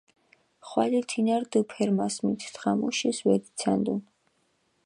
ხვალე თინა რდჷ ფერმას, მით დღამუშის ვეძიცანდუნ.